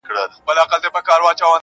چي ټوله ورځ ستا د مخ لمر ته ناست وي.